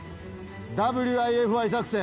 ＷＩＦＩ作戦